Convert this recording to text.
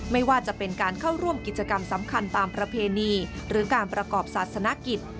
ไม่ว่าจะเป็นการเข้าร่วมกิจกรรมสำคัญตามประเพณีหรือการประกอบศาสนกิจ